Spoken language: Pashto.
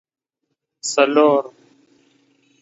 څلور